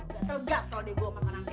gatel gatel deh gue makan nangkep